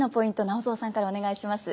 直三さんからお願いします。